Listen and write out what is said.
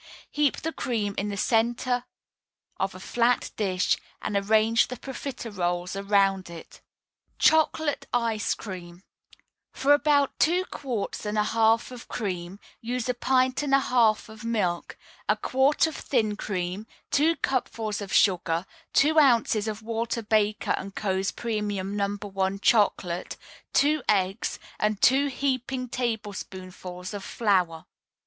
Heap the cream in the center of a flat dish, and arrange the profiteroles around it. CHOCOLATE ICE CREAM For about two quarts and a half of cream use a pint and a half of milk, a quart of thin cream, two cupfuls of sugar, two ounces of Walter Baker & Co.'s Premium No. 1 Chocolate, two eggs, and two heaping tablespoonfuls of flour.